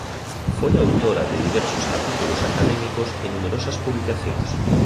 Foi autora de diversos capítulos académicos e numerosas publicacións.